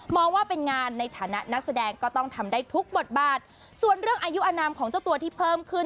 ว่าเป็นงานในฐานะนักแสดงก็ต้องทำได้ทุกบทบาทส่วนเรื่องอายุอนามของเจ้าตัวที่เพิ่มขึ้น